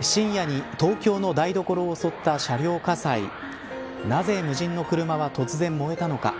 深夜に東京の台所を襲った車両火災なぜ無人の車は突然燃えたのか。